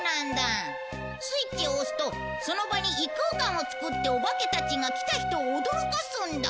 スイッチを押すとその場に異空間を作ってオバケたちが来た人を驚かすんだ。